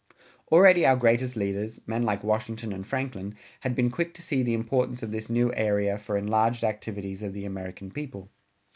Already our greatest leaders, men like Washington and Franklin, had been quick to see the importance of this new area for enlarged activities of the American people.